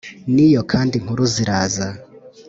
n' iyo kandi inkuru ziraza